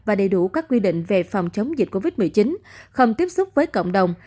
và đầy đủ các quy định về phòng chống dịch covid một mươi chín không tiếp xúc với cộng đồng